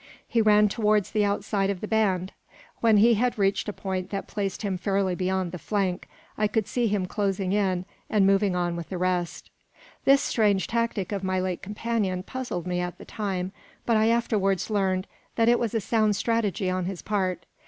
He ran towards the outside of the band. When he had reached a point that placed him fairly beyond the flank, I could see him closing in, and moving on with the rest. This strange tactic of my late companion puzzled me at the time, but I afterwards learned that it was sound strategy on his part.